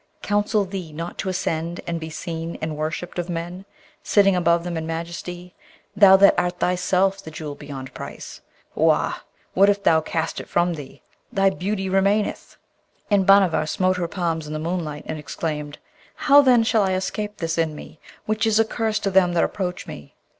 counsel thee not to ascend and be seen and worshipped of men, sitting above them in majesty, thou that art thyself the Jewel beyond price? Wah! What if thou cast it from thee? thy beauty remaineth!' And Bhanavar smote her palms in the moonlight, and exclaimed, 'How then shall I escape this in me, which is a curse to them that approach me?'